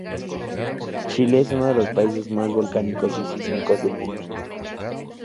Chile es uno de los países más volcánicos y sísmicos del mundo.